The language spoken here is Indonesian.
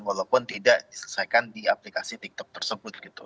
walaupun tidak diselesaikan di aplikasi tiktok tersebut gitu